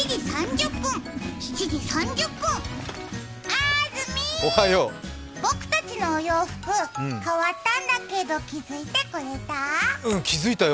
あずみ僕たちのお洋服、変わったんだけど気付いてくれた？